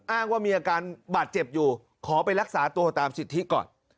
อ้างว่ามีอาการบาดเจ็บอยู่ขอไปรักษาตัวตามสิทธิก่อน